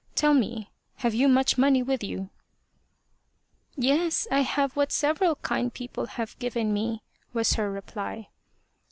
Tell me, have you much money with you ?"" Yes, I have what several kind people have given me," was her reply.